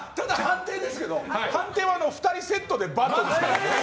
判定は２人セットでバッドです。